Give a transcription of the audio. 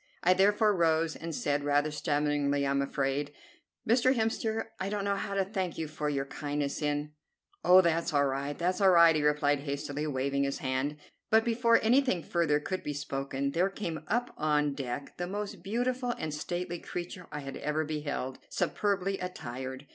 I therefore rose and said, rather stammeringly, I am afraid: "Mr. Hemster, I don't know how to thank you for your kindness in " "Oh, that's all right; that's all right," he replied hastily, waving his hand; but before anything further could be spoken there came up on deck the most beautiful and stately creature I had ever beheld, superbly attired.